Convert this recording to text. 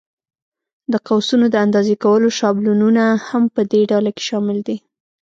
د قوسونو د اندازې کولو شابلونونه هم په دې ډله کې شامل دي.